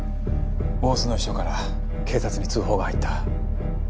大須の秘書から警察に通報が入った。